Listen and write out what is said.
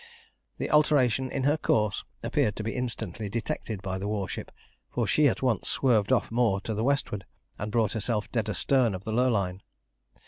The alteration in her course appeared to be instantly detected by the warship, for she at once swerved off more to the westward, and brought herself dead astern of the Lurline.